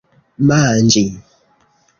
manĝi